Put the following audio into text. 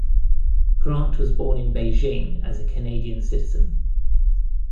Grant was born in Beijing as a Canadian citizen.